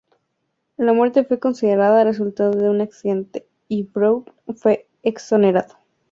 La muerte fue considerada resultado de un accidente, y Brown fue exonerado.